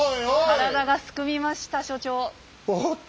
体がすくみました所長。